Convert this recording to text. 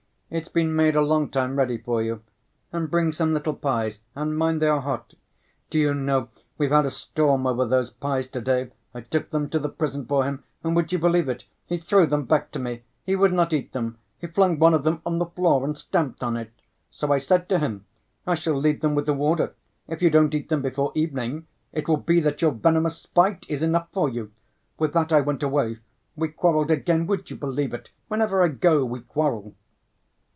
"It's been made a long time ready for you. And bring some little pies, and mind they are hot. Do you know, we've had a storm over those pies to‐day. I took them to the prison for him, and would you believe it, he threw them back to me: he would not eat them. He flung one of them on the floor and stamped on it. So I said to him: 'I shall leave them with the warder; if you don't eat them before evening, it will be that your venomous spite is enough for you!' With that I went away. We quarreled again, would you believe it? Whenever I go we quarrel."